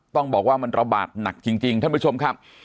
ต้องบอกว่ามันระบาดหนักจริงท่านผู้ชมครับ